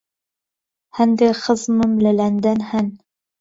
هەندێک خزمم لە لەندەن هەن.